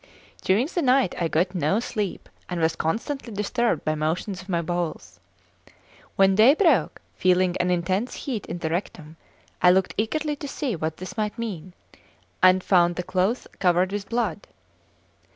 During the night I got no sleep, and was constantly disturbed by motions of my bowels. When day broke, feeling an intense heat in the rectum, I looked eagerly to see what this might mean, and found the cloth covered with blood.